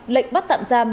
lệnh bắt tạm giam